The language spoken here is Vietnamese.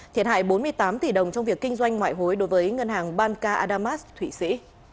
thiệt hại bốn mươi tám tỷ đồng trong việc kinh doanh ngoại hối đối với ngân hàng ban ka adamas thụy sĩ